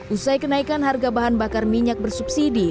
usai kenaikan harga bahan bakar minyak bersubsidi